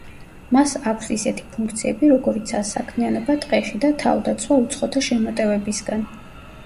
მას აქვს ისეთი ფუნქციები, როგორიცაა საქმიანობა ტყეში და თავდაცვა უცხოთა შემოტევებისგან.